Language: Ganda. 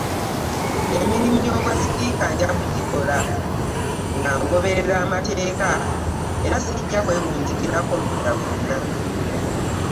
Emirimu gy’obwasipiika nja kugikola nga ngoberera mateeka era sijja kwewunzikirako ludda lwonna.